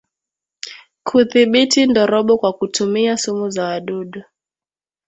Kudhibiti ndorobo kwa kutumia sumu za wadudu